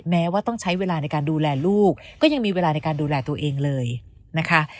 แม้ว่าต้องใช้เวลาในการดูแลลูกก็ยังมีเวลาในการดูแลตัวเองเลยนะคะ